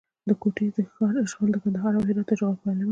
د کوټې د ښار اشغال د کندهار او هرات د اشغال پیلامه ده.